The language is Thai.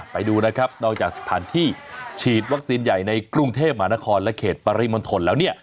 ไปดูนะครับนอกจากสถานที่ฉีดวัคซีนใหญ่ในกรุงเทพหมานครและเขตปริมณฑลแล้วเนี่ย